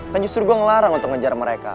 kan justru gue ngelarang untuk ngejar mereka